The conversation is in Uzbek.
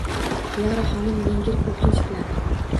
Lora xonim yengil oʻkinch bilan